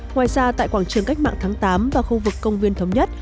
ngoài ra tại quảng trường cách mạng tháng tám và khu vực công viên thống nhất